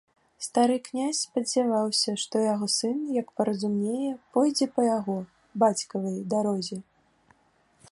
Стары князь спадзяваўся, што яго сын, як паразумнее, пойдзе па яго, бацькавай, дарозе.